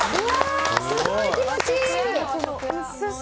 すごい気持ちいい！